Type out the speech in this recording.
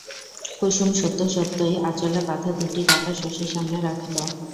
কুসুম সত্য সত্যই আঁচলে বাধা দুটি টাকা শশীর সামনে রাখিল।